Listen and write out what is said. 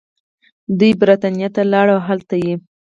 دوي برطانيه ته لاړل او هلتۀ ئې